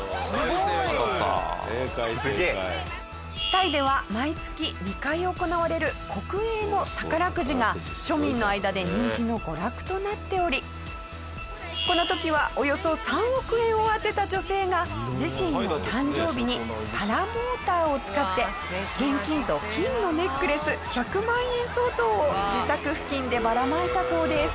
タイでは毎月２回行われる国営の宝くじが庶民の間で人気の娯楽となっておりこの時はおよそ３億円を当てた女性が自身の誕生日にパラモーターを使って現金と金のネックレス１００万円相当を自宅付近でばらまいたそうです。